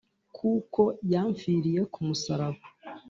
Koko yamfiriye ku musaraba